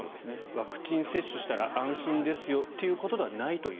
ワクチン接種したら安心ですよということではないという。